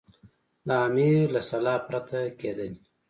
د امیر له سلا پرته کېدلې.